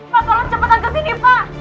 pak tolong cepatan kesini pak